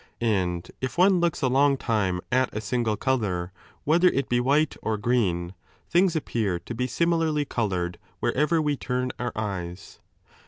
And if one looks a long time at a single colour, whether it "be white or green, things appear to be similarly coloured wherever we turn our eyes."